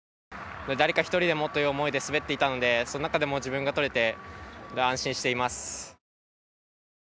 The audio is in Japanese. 誰か１人でもという思いで滑っていたのでその中でも自分がとれて安心しています。